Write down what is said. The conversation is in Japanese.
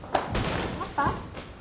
パパ！